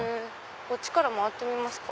こっちから回ってみますか。